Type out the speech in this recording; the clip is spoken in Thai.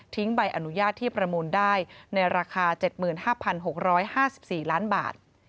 ใบอนุญาตที่ประมูลได้ในราคา๗๕๖๕๔ล้านบาท